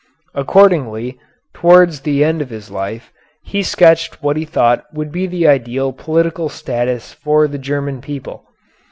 Accordingly, towards the end of his life he sketched what he thought would be the ideal political status for the German people.